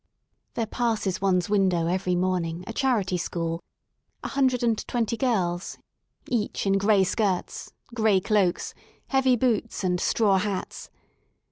There passes one*s window every morning a Charity School : a hundred and twenty girls, each in gray skirts, gray cloaks, heavy boots, and straw hats.